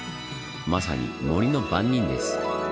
まさに森の番人です。